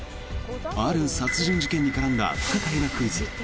ある殺人事件に絡んだ不可解なクイズ。